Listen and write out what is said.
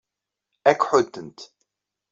Ad k-ḥuddent.